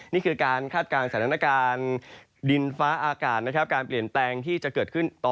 นี่คือการคาดการณ์สถานการณ์ดินฟ้าอาการนะครับ